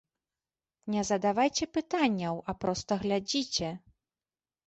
Не задавайце пытанняў, а проста глядзіце!